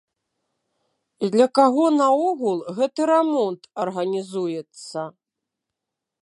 І для каго наогул гэты рамонт арганізуецца?